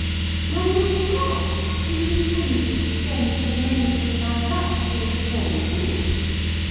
'My dear papa! do you intend me to spend the remainder of my life in the drawing room?